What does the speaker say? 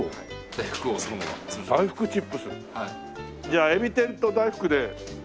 じゃあえび天と大福で。